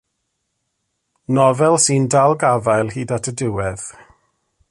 Nofel sy'n dal gafael hyd at y diwedd.